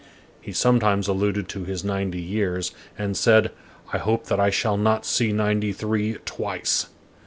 He sometimes alluded to his ninety years, and said, "I hope that I shall not see ninety three twice."